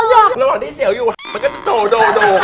ระหว่างที่เสียวอยู่มันก็โด่ง